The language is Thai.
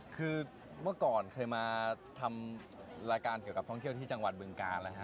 คือเมื่อก่อนเคยมาทำรายการเกี่ยวกับท่องเที่ยวที่จังหวัดบึงกาลนะฮะ